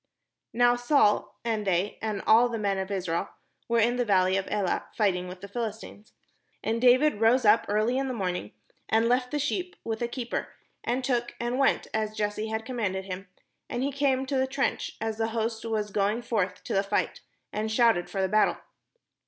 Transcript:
Now Saul, and the}^, and all the men of Israel, were in the valley of Elah, fighting \\'ith the Philistines. And David rose up early in the morning, and left the sheep ^^ith a keeper, and took, and went, as Jesse had commanded him; and he came to the trench, as the host was going forth to the fight, and shouted for the battle.